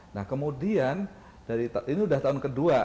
nah kemudian ini sudah tahun kedua